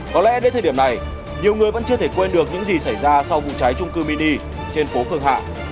có lẽ đến thời điểm này nhiều người vẫn chưa thể quên được những gì xảy ra sau vụ cháy trung cư mini trên phố phương hạ